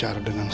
ada apa bu